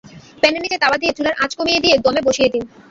প্যানের নিচে তাওয়া দিয়ে চুলার আঁচ কমিয়ে দিয়ে দমে বসিয়ে দিন।